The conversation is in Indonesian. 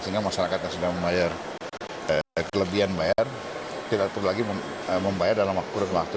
sehingga masyarakat yang sudah membayar kelebihan bayar tidak perlu lagi membayar dalam kurun waktu